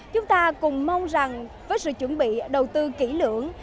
chúng ta cùng mong rằng với sự chuẩn bị đầu tư kỹ lưỡng